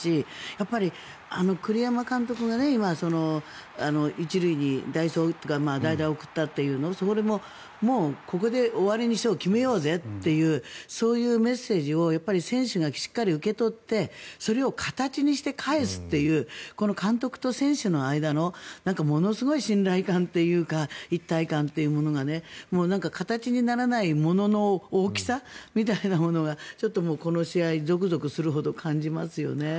やっぱり栗山監督が今、１塁に代走を送ったというのもそれも、ここで終わりにしよう決めようぜっていうそういうメッセージを選手がしっかり受け取ってそれを形にして返すというこの監督と選手の間のものすごい信頼感というか一体感というものが形にならないものの大きさみたいなものがちょっとこの試合ゾクゾクするほど感じますよね。